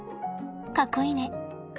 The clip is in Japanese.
かっこいいね。